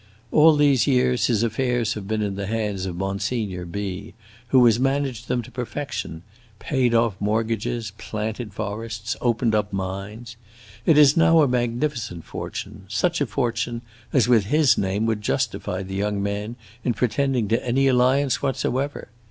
All these years his affairs have been in the hands of Monsignor B , who has managed them to perfection paid off mortagages, planted forests, opened up mines. It is now a magnificent fortune; such a fortune as, with his name, would justify the young man in pretending to any alliance whatsoever.